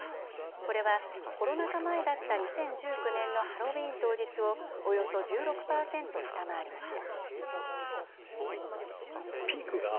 これはコロナ禍前だった２０１９年のハロウィーン当日をおよそ１６％下回りました。